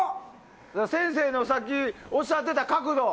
先生のおっしゃっていた角度。